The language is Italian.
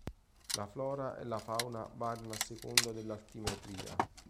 La flora e la fauna variano a seconda dell'altimetria.